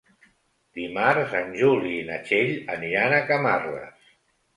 Dimarts en Juli i na Txell aniran a Camarles.